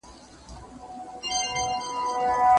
هغه اوسمهال د خپلو خبرو له لارې خلګو ته انګېزه ورکوي.